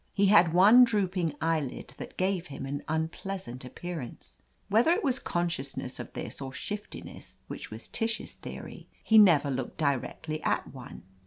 He had one drooping eyelid, that gave him an unpleasant appearance. Whether it was consciousness of this, or shiftiness, which was Tish's theory, he never looked directly at one.